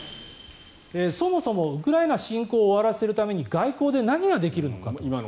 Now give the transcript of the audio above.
そもそもウクライナ侵攻を終わらせるために外交で何ができるのかと。